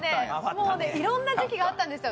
もうねいろんな時期があったんですよ